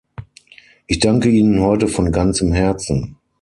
Ich danke Ihnen heute von ganzem Herzen!